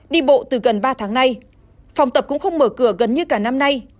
đi bộ từ gần ba tháng nay phòng tập cũng không mở cửa gần như cả năm nay